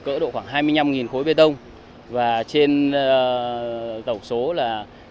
cỡ độ khoảng hai mươi năm khối bê tông và trên tổng số là hai mươi bảy